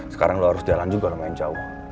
sekarang lo harus jalan juga lumayan jauh